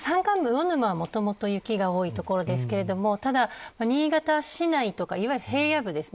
山間部、魚沼はもともと雪が多い所ですがただ、新潟市内とかいわゆる平野部ですね。